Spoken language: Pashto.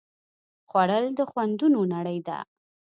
خوړل د خوندونو نړۍ ده